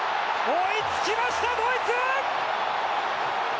追いつきました、ドイツ！